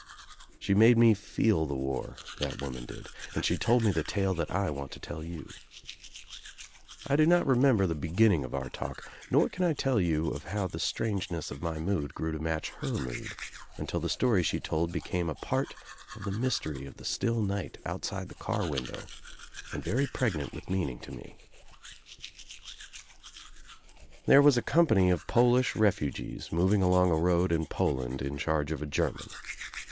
She made me feel the war, that woman did, and she told me the tale that I want to tell you. I do not remember the bcgirming of our talk, nor can I tell you. of how the strangeness of my mood grew to match her mood until the story she told be came a part of the mystery of the still night outside the car window and very pregnant with meaning to There was a company of Polish refugees moving along a road in Poland in charge of a German.